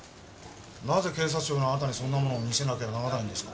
なぜ警察庁のあなたにそんなものを見せなければならないんですか？